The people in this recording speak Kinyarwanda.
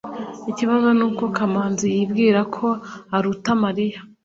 ikibazo nuko kamanzi yibwira ko aruta mariya